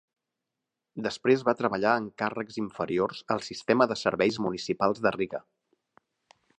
Després va treballar en càrrecs inferiors al sistema de serveis municipals de Riga.